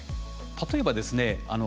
例えばですね